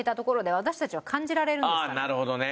あっなるほどね。